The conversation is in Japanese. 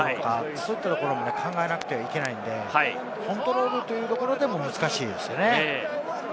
そういうところまで考えなくてはいけないので、コントロールというところでも難しいですよね。